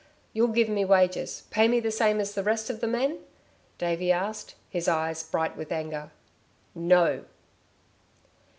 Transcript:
"You'll give me wages pay me the same as the rest of the men?" Davey asked, his eyes bright with anger. "No."